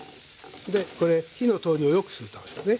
これ火の通りをよくするためですね。